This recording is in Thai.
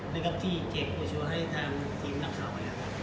นะครับที่เก็บโปรโชว์ให้ทางทีมหนังสือฟิล์มนะครับ